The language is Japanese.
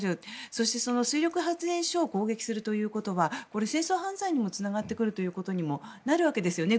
そして水力発電所を攻撃するということは戦争犯罪にもつながってくることにもなるわけですよね。